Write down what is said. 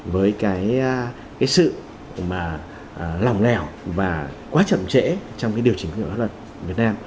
với cái sự mà lòng lẻo và quá chậm trễ trong cái điều chỉnh của pháp luật việt nam